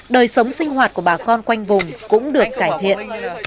đời sống sinh hoạt của bà con quanh vùng cũng được cải thiện